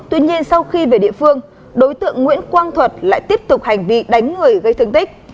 tuy nhiên sau khi về địa phương đối tượng nguyễn quang thuật lại tiếp tục hành vi đánh người gây thương tích